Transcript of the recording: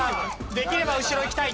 できれば後ろいきたい。